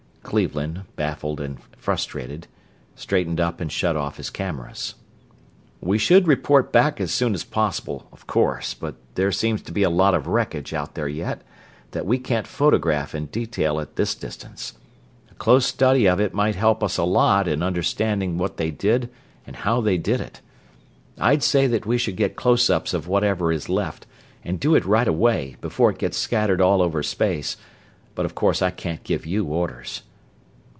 Cleveland, baffled and frustrate, straightened up and shut off his cameras. "We should report back as soon as possible, of course, but there seems to be a lot of wreckage out there yet, that we can't photograph in detail at this distance. A close study of it might help us a lot in understanding what they did and how they did it. I'd say that we should get close ups of whatever is left, and do it right away, before it gets scattered all over space; but of course I can't give you orders."